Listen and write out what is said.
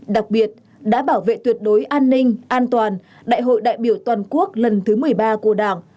đặc biệt đã bảo vệ tuyệt đối an ninh an toàn đại hội đại biểu toàn quốc lần thứ một mươi ba của đảng